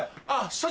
社長！